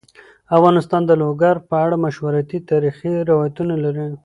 افغانستان د لوگر په اړه مشهور تاریخی روایتونه لري.